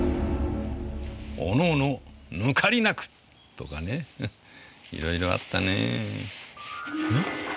「おのおのぬかりなく」とかねいろいろあったね。